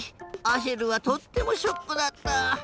アシェルはとってもショックだった。